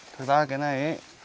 thật ra cái này